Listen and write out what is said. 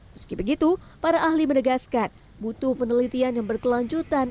meski begitu para ahli menegaskan butuh penelitian yang berkelanjutan